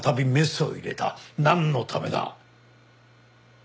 なんのためだ？